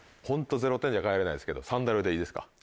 ホントゼロ点じゃ帰れないですけどサンダルでいいですか？